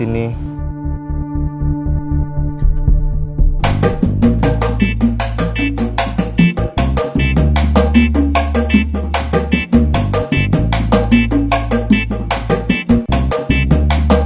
dik dik itu juga menang